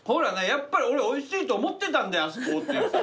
やっぱり俺おいしいと思ってたんだよあそこ」っていうさ。